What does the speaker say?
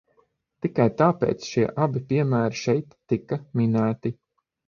Tikai tāpēc šie abi piemēri šeit tika minēti.